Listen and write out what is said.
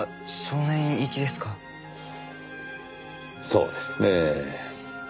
そうですねぇ。